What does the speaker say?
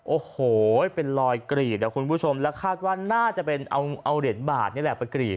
โอ้โหเป็นรอยกรีดอ่ะคุณผู้ชมแล้วคาดว่าน่าจะเป็นเอาเหรียญบาทนี่แหละไปกรีด